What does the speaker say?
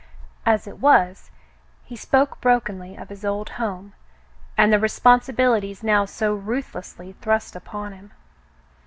As it was, he spoke brokenly of his old home, and the responsibilities now so ruthlessly thrust upon him.